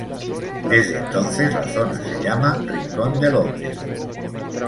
Desde entonces, la zona se llama "Rincón de López".